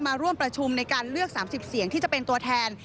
มาร่วมประชุมในการเลือก๓๐เสียงที่จะเป็นตัวแทน